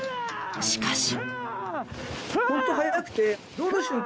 しかし。